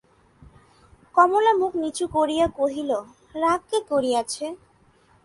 কমলা মুখ নিচু করিয়া কহিল, রাগ কে করিয়াছে?